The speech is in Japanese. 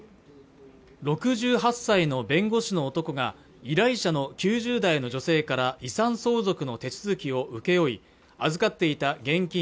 ６８歳の弁護士の男が依頼者の９０代の女性から遺産相続の手続きを請け負い預かっていた現金